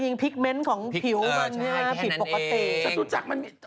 จริงพิกเม้นท์ของผิวมันนี่